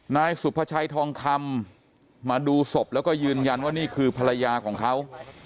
นายสุภาชัยทองคำมาดูศพแล้วก็ยืนยันว่านี่คือภรรยาของเขา